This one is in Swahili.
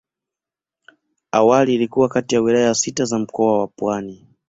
Awali ilikuwa kati ya wilaya sita za Mkoa wa Pwani.